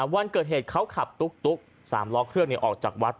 วันเกิดเหตุเขาขับตุ๊ก๓ล้อเครื่องออกจากวัด